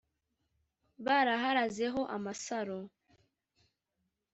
baraharazeho amasaro